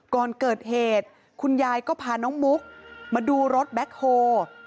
ก่อนเกิดเหตุคุณยายก็พาน้องมุกมาดูรถแบ็คโฮ